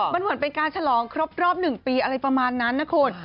มันเหมือนเป็นการฉลองครบรอบ๑ปีอะไรประมาณนั้นนะคุณ